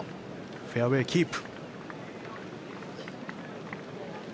フェアウェーキープ。